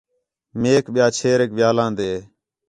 میک ٻِیا چھیریک ویہا لاندے